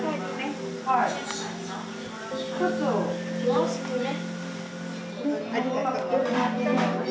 よろしくね。